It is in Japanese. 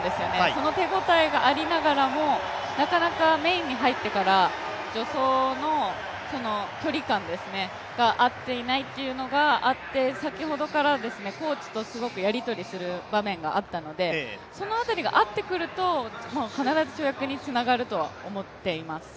その手応えがありながらもなかなかメインに入ってから助走の距離感が合っていないというのがあって先ほどから、コーチからやりとりする場面があったのでその辺りが合ってくると必ず跳躍につながるとは思います。